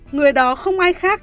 người đó không ai khác